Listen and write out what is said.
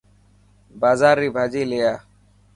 بازار ري ڀاڄي لي آءِ.